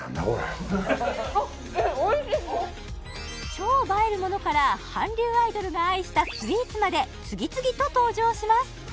超映えるものから韓流アイドルが愛したスイーツまで次々と登場します！